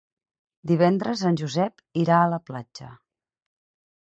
Divendres en Josep irà a la platja.